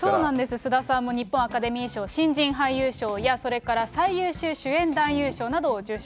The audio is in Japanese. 菅田さんも日本アカデミー賞新人俳優賞や、それから最優秀主演男優賞などを受賞。